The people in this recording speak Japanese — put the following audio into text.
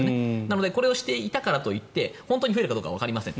これをやったからと言って本当に増えるかどうかわかりません。